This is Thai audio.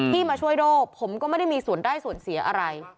มาช่วยโด่ผมก็ไม่ได้มีส่วนได้ส่วนเสียอะไร